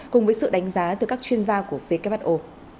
cùng với sự đánh giá từ các chuyên gia của who